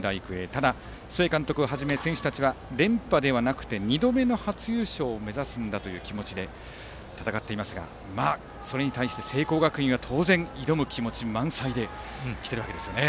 ただ須江監督をはじめ選手たちは連覇ではなくて２度目の初優勝を目指すんだという気持ちで戦っていますがそれに対して聖光学院は当然挑む気持ち満載で来ているわけですね。